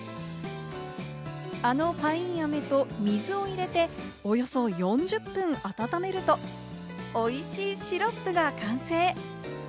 あのパインアメと水を入れて、およそ４０分温めると、おいしいシロップが完成。